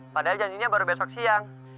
padahal janjinya baru besok siang